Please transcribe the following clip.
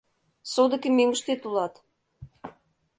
Содыки мӧҥгыштет улат.